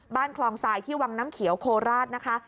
คลองทรายที่วังน้ำเขียวโคราชนะคะ